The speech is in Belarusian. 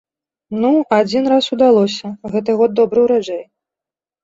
Ну, адзін раз удалося, гэты год добры ўраджай.